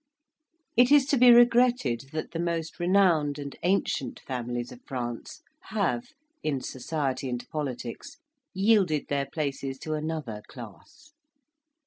It is to be regretted that the most renowned and ancient families of France have, in society and politics, yielded their places to another class.